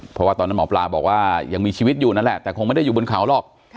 เพราะว่าตอนนั้นหมอปลาบอกว่ายังมีชีวิตอยู่นั่นแหละแต่คงไม่ได้อยู่บนเขาหรอก